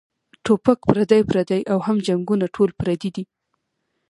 ټوپک پردے پردے او هم جنګــــونه ټول پردي دي